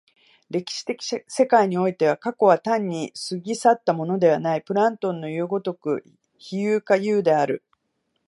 歴史的世界においては、過去は単に過ぎ去ったものではない、プラトンのいう如く非有が有である。